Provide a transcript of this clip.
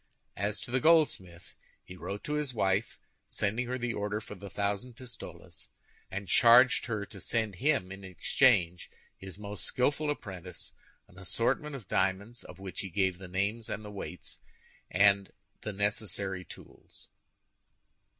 As to the goldsmith, he wrote to his wife, sending her the order for the thousand pistoles, and charging her to send him, in exchange, his most skillful apprentice, an assortment of diamonds, of which he gave the names and the weight, and the necessary tools.